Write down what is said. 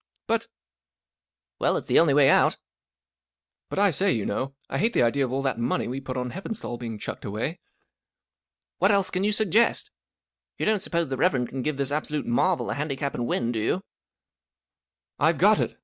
" But " s " Well, it's the only way out." . 44 But I say, you know, I hate the idea of all that money we put on Hepperistall being chucked away." ~" What else can you suggest ? You don't suppose the Rev. can give this absolute marvel a handicap and win, do you ?"." I've got it !